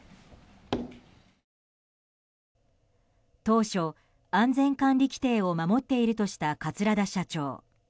当初、安全管理規程を守っているとした桂田社長。